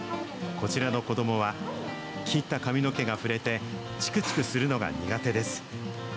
こちらの子どもは、切った髪の毛が触れて、ちくちくするのが苦手です。